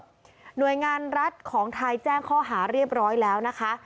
หน่วยงานรัฐของไทยแจ้งข้อหาเรียบร้อยแล้วนะคะ